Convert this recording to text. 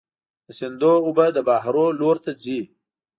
د سیندونو اوبه د بحرونو لور ته ځي.